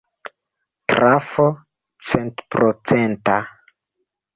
Trafo centprocenta.